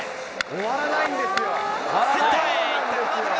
終わらないんですよ。